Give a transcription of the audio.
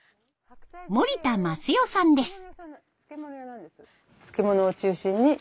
森田益代さんです。